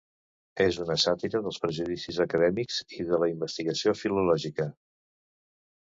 És una sàtira dels prejudicis acadèmics i de la investigació filològica.